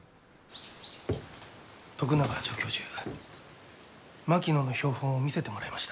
徳永助教授槙野の標本を見せてもらいました。